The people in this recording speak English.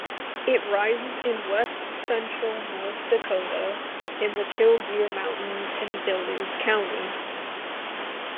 It rises in west central North Dakota, in the Killdeer Mountains in Billings County.